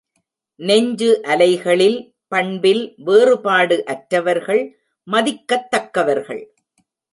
நெஞ்சு அலைகளில் பண்பில் வேறுபாடு அற்றவர்கள் மதிக்கத் தக்கவர்கள்.